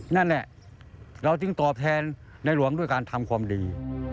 นั่นแหละเราจึงตอบแทนในหลวงด้วยการทำความดี